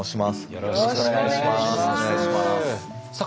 よろしくお願いします。